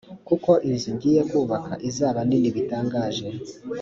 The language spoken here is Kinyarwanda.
kuko inzu ngiye kubaka izaba nini bitangaje